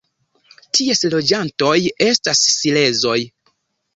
Ties loĝantoj estas silezoj.